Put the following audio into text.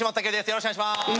よろしくお願いします。